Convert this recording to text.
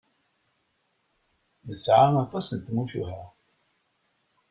Nesɛa aṭas n tmucuha.